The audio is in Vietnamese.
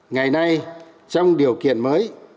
ngày nay trong điều kiện mới